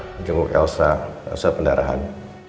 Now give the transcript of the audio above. menjenguk elsa elsa pendarahan